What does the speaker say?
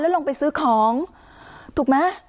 ลงไปซื้อของถูกไหม